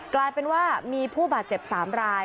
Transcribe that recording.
กลายเป็นว่ามีผู้บาดเจ็บ๓ราย